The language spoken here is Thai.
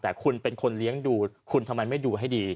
แต่คุณเป็นคนเลี้ยงดูคุณทำไมไม่ดูให้ดี